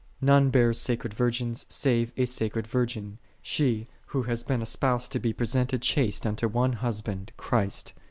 None bears sacred virgins save a sacred virgin, she who hath been espoused to be presented chaste unto one Husband, Christ.